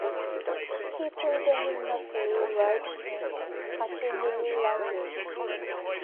He predominantly writes in Kashmiri language.